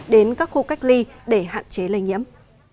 đến các khu cách ly để hạn chế lây nhiễm